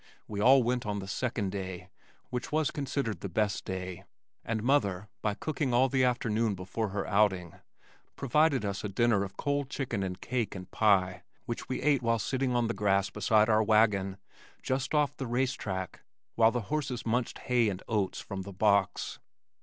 We all went on the second day, (which was considered the best day) and mother, by cooking all the afternoon before our outing, provided us a dinner of cold chicken and cake and pie which we ate while sitting on the grass beside our wagon just off the racetrack while the horses munched hay and oats from the box.